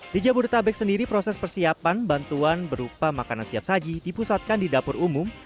di jabodetabek sendiri proses persiapan bantuan berupa makanan siap saji dipusatkan di dapur umum